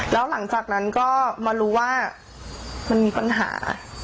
แล้วหลังจากนั้นก็มารู้ว่ามันมีปัญหา